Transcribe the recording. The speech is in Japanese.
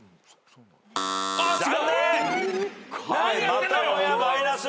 またもやマイナス。